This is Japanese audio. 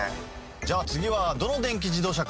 じゃ次はどの電気自動車買う？